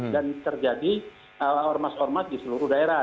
dan terjadi ormas ormas di seluruh daerah